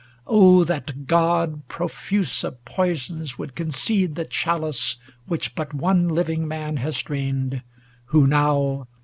Oh, that God, Profuse of poisons, would concede the chalice Which but one living man has drained, whC now.